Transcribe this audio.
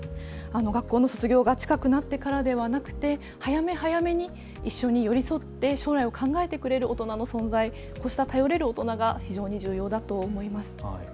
卒業が近くなってからではなくて早め早めに一緒に寄り添って将来を考えてくれる大人の存在、頼れる大人が非常に重要だと思います。